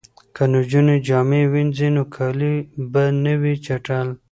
که نجونې جامې وینځي نو کالي به نه وي چټل.